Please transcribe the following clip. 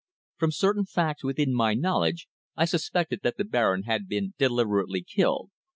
From certain facts within my knowledge I suspected that the Baron had been deliberately killed.